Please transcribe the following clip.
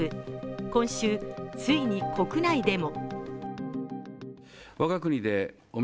今週、ついに国内でも。